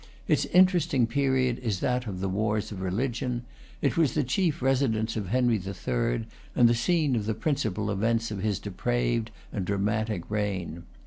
Its interesting period is that of the wars of religion. It was the chief residence of Henry III., and the scene of the principal events of his depraved and dramatic reign.